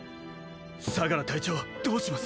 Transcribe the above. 相楽隊長どうします！？